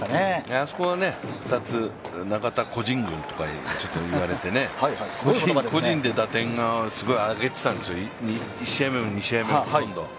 あそこは２つ中田個人軍と言われてね、個人で打点をすごいあげてたんですよ、１試合目も２試合目も。